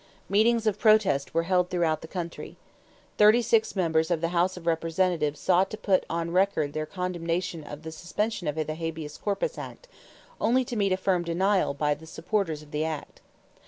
Meetings of protest were held throughout the country. Thirty six members of the House of Representatives sought to put on record their condemnation of the suspension of the habeas corpus act, only to meet a firm denial by the supporters of the act.